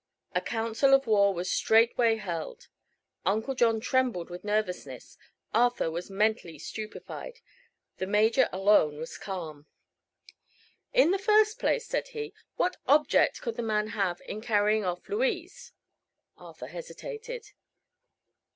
A council of war was straightway held. Uncle John trembled with nervousness; Arthur was mentally stupefied; the Major alone was calm. "In the first place," said he, "what object could the man have in carrying off Louise?" Arthur hesitated.